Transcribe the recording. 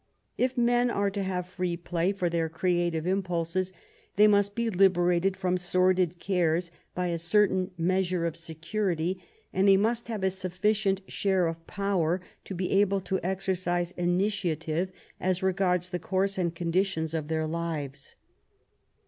If men are to have free play for their creative impulses, they must be liberated from sordid cares by a certain measure of security, and they must have a sufficient share of power to be able to exercise initiative as regards the course and conditions of their lives.